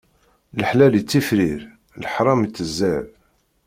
Leḥlal ittifrir, leḥṛam ittezzer.